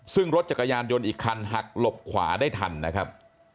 ซึ่งรถจักรยานยนต์อีกคันหักหลบขวาได้ทันนะครับ